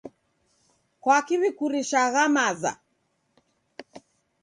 Kwaki w'ikurishagha maza?